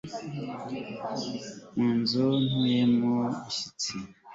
mu nzu ntuyemo bushyitsi